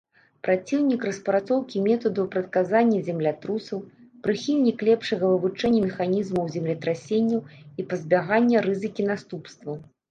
Праціўнік распрацоўкі метадаў прадказання землятрусаў, прыхільнік лепшага вывучэння механізмаў землетрасенняў і пазбягання рызыкі наступстваў.